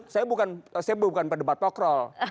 saya bukan berdebat pokrol